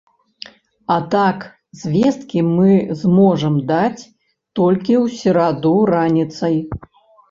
А так звесткі мы зможам даць толькі ў сераду раніцай.